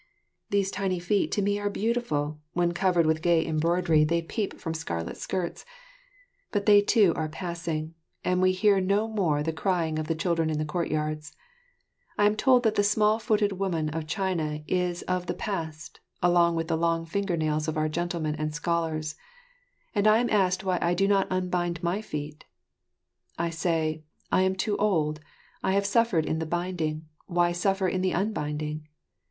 These tiny feet to me are beautiful, when covered with gay embroidery they peep from scarlet skirts; but they too are passing, and we hear no more the crying of the children in the courtyards. I am told that the small footed woman of China is of the past, along with the long finger nails of our gentlemen and scholars; and I am asked why I do not unbind my feet. I say, "I am too old; I have suffered in the binding, why suffer in the unbinding?"